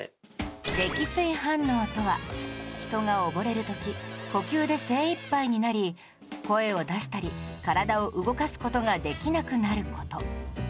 溺水反応とは人が溺れる時呼吸で精いっぱいになり声を出したり体を動かす事ができなくなる事